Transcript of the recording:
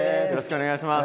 お願いします！